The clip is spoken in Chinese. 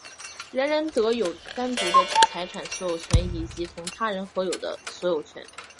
人人得有单独的财产所有权以及同他人合有的所有权。